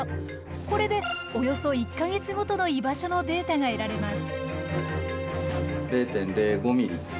これでおよそ１か月ごとの居場所のデータが得られます。